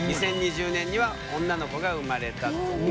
２０２０年には女の子が生まれたという。